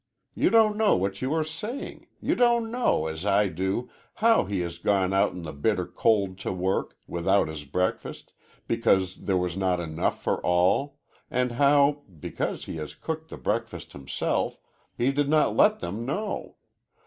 You don't know what you are saying. You don't know, as I do, how he has gone out in the bitter cold to work, without his breakfast, because there was not enough for all, and how because he had cooked the breakfast himself he did not let them know.